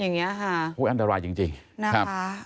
อย่างเงี้ยฮะโอ้ยอันดรายจริงจริงนะฮะ